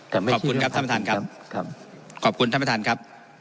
ก็ไม่ใช่เรื่องพาดพิงครับคำตอบขอบคุณครับท่านประธานครับ